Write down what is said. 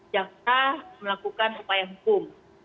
jakarta melakukan upaya hukum